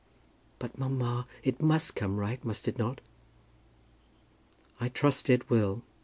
"But, mamma, it must come right; must it not?" "I trust it will.